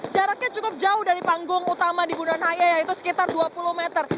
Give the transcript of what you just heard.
jaraknya cukup jauh dari panggung utama di bundaran haya yaitu sekitar dua puluh meter